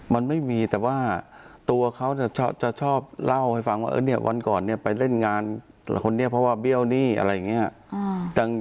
มันไม่มีแต่ว่าตัวเขาจะชอบเล่าให้ฟังว่าวันก่อนเนี่ยไปเล่นงานคนนี้เพราะว่าเบี้ยวหนี้อะไรอย่างนี้